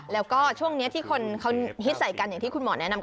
แล้วก็ช่วงนี้ที่คนเขาฮิตใส่กันอย่างที่คุณหมอแนะนำ